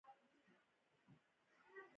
لکه زما ساه چې يې شمېرله.